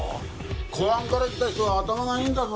公安から来た人は頭がいいんだぞ。